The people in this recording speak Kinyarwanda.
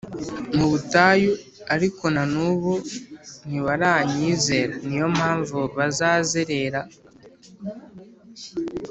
mu butayu ariko na n ubu ntibaranyizera Ni yo mpamvu bazazerera